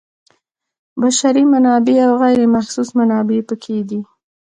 بشري منابع او غیر محسوس منابع پکې دي.